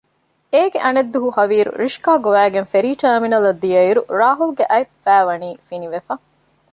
އޭގެ އަނެއް ދުވަހު ހަވީރު ރިޝްކާ ގޮވައިގެން ފެރީ ޓާމިނަލަށް ދިޔައިރު ރާހުލްގެ އަތް ފައި ވަނީ ފިނިވެފަ